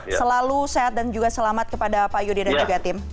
dan selalu sehat dan juga selamat kepada pak yudi dan juga tim